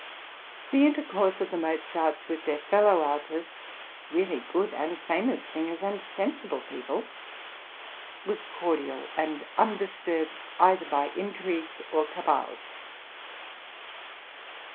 The intercourse of the Mozarts with their fellow artists, "really good and famous singers, and sensible people," was cordial, and undisturbed either by intrigues or cabals.